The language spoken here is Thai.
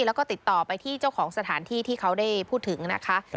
แล้วก็ติดต่อไปที่เจ้าของสถานที่ที่เขาได้พูดถึงนะคะ